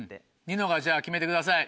ニノがじゃあ決めてください